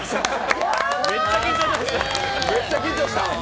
めっちゃ緊張しました。